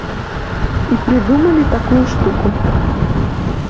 І прыдумалі такую штуку.